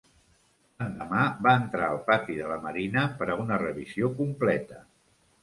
L'endemà, va entrar al pati de la Marina per a una revisió completa.